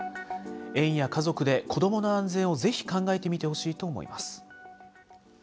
園や家族で子どもの安全をぜひ考えてみてほしいと思います。